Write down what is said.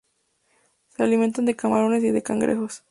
Se alimentan de camarones y de cangrejos.